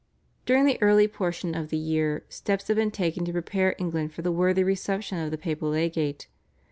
During the early portions of the year steps had been taken to prepare England for the worthy reception of the papal legate.